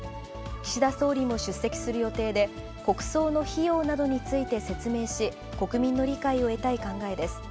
岸田総理も出席する予定で、国葬の費用などについて説明し、国民の理解を得たい考えです。